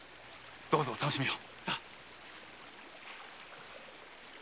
どうぞお楽しみを。